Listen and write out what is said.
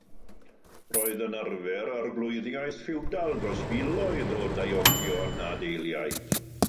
Roedd yn arfer arglwyddiaeth ffiwdal dros filoedd o daeogion a deiliaid.